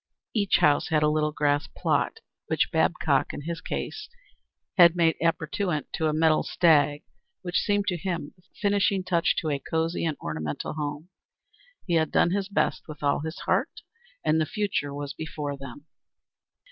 Each house had a little grass plot, which Babcock in his case had made appurtenant to a metal stag, which seemed to him the finishing touch to a cosey and ornamental home. He had done his best and with all his heart, and the future was before them.